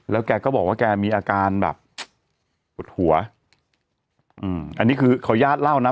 แกก็บอกว่าแกมีอาการแบบปวดหัวอืมอันนี้คือขออนุญาตเล่านะ